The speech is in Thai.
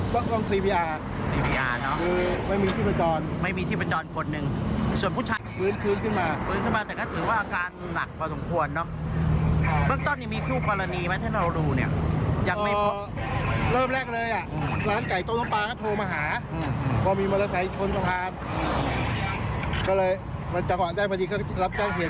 ก็เลยวันจากวันได้พอดีก็รับแจ้งเหตุ